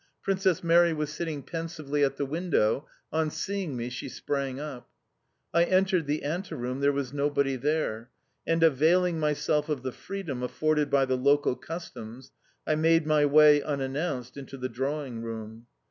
Princess Mary was sitting pensively at the window; on seeing me she sprang up. I entered the ante room, there was nobody there, and, availing myself of the freedom afforded by the local customs, I made my way, unannounced, into the drawing room.